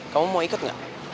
kamu mau ikut gak